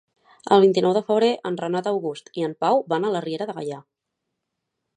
El vint-i-nou de febrer en Renat August i en Pau van a la Riera de Gaià.